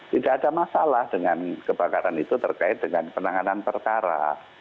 tidak ada masalah dengan kebakaran itu terkait dengan penanganan perkara